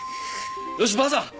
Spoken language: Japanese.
よしばあさん